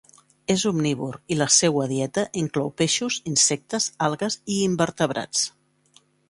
És omnívor i la seua dieta inclou peixos, insectes, algues i invertebrats.